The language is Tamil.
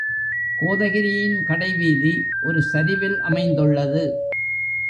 கோதகிரியின் கடைவீதி ஒரு சரிவில் அமைந்துள்ளது.